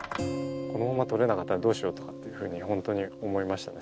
このまま取れなかったらどうしようとかっていうふうに本当に思いましたね